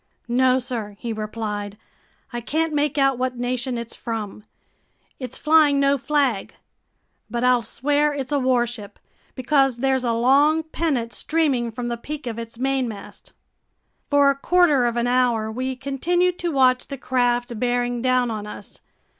"No, sir," he replied. "I can't make out what nation it's from. It's flying no flag. But I'll swear it's a warship, because there's a long pennant streaming from the peak of its mainmast." For a quarter of an hour, we continued to watch the craft bearing down on us.